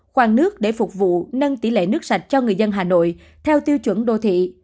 khoan nước để phục vụ nâng tỷ lệ nước sạch cho người dân hà nội theo tiêu chuẩn đô thị